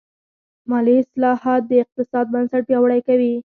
مالي اصلاحات د اقتصاد بنسټ پیاوړی کوي.